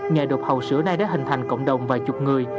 ngày đục hầu sữa này đã hình thành cộng đồng vài chục người